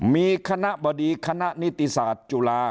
มีคณะบดีคณะนิติศาสตร์จุฬา